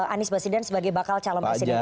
anies baswedan sebagai bakal calon presiden